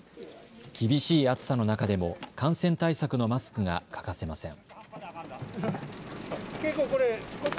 厳しい暑さの中でも感染対策のマスクが欠かせません。